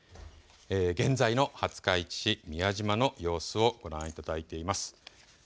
現在の廿日市市宮島の様子をご覧いただいています。